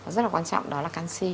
rất là quan trọng đó là canxi